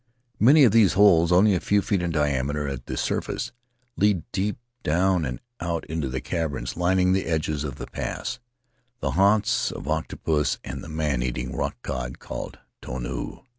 Many of these holes, only a few feet in diameter at the surface, lead deep down and out into the caverns lining the edges of the pass — the haunts of octopus and the man eating rock cod called ionu.